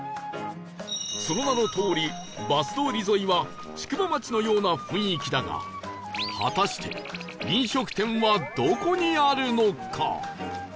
その名のとおりバス通り沿いは宿場町のような雰囲気だが果たして飲食店はどこにあるのか？